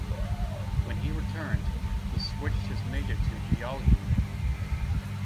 When he returned, he switched his major to geology.